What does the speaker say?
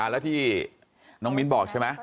แล้วที่น้องมิ้นบอกใช่ไหม